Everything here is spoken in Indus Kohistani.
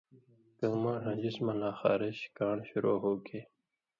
کؤں ماݜاں جِسمہ لا خارُخ/کان٘ڑ شُروع ہُوگے